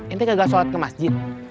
ini kagak sholat ke masjid